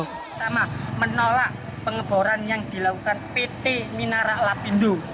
pertama menolak pengeboran yang dilakukan pt minarak lapindo